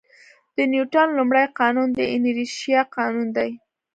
د نیوټن لومړی قانون د انرشیا قانون دی.